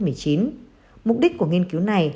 mục đích của nghiên cứu này